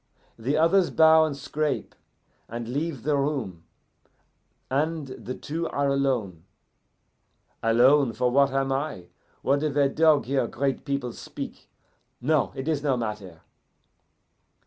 The others bow and scrape, and leave the room, and the two are alone alone, for what am I? What if a dog hear great people speak? No, it is no matter!